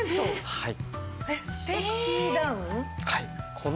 はい。